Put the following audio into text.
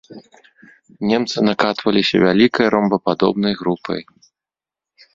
Немцы накатваліся вялікай ромбападобнай групай.